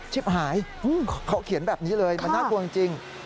หายเขาเขียนแบบนี้เลยมันน่ากลัวจริง